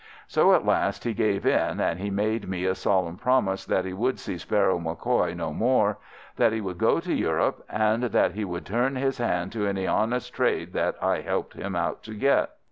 So at last he gave in, and he made me a solemn promise that he would see Sparrow MacCoy no more, that he would go to Europe, and that he would turn his hand to any honest trade that I helped him to get.